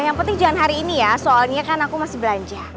yang penting jangan hari ini ya soalnya kan aku masih belanja